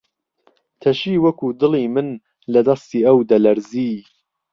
تەشی وەکو دڵی من، لە دەستی ئەو دەلەرزی